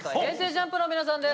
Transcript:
ＪＵＭＰの皆さんです。